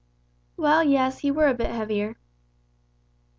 "Well, yes, he were a bit heavier."